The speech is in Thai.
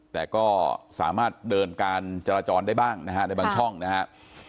แต่ก็สามารถเดินการจราจรได้บ้างนะฮะในบางช่องนะครับ